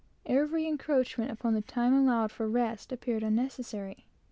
Every encroachment upon the time allowed for rest, appeared unnecessary.